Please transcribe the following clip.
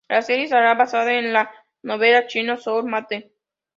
La serie estará basada en la novela china "Soul Mate".